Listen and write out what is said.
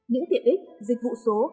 những tiện ích dịch vụ số